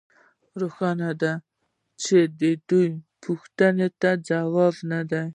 روښانه ده چې د دې پوښتنې ځواب نه دی